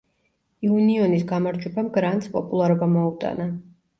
იუნიონის გამარჯვებამ გრანტს პოპულარობა მოუტანა.